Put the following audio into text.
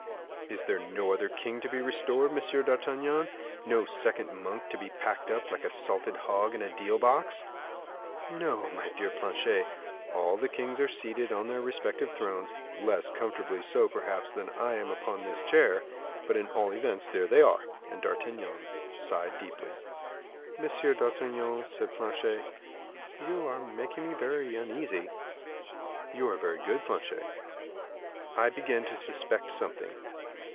"Is there no other king to be restored, M. d'Artagnan no second Monk to be packed up, like a salted hog, in a deal box?" "No, my dear Planchet; all the kings are seated on their respective thrones; less comfortably so, perhaps, than I am upon this chair; but, at all events, there they are." And D'Artagnan sighed deeply. "Monsieur d'Artagnan," said Planchet, "you are making me very uneasy." "You are very good, Planchet." "I begin to suspect something."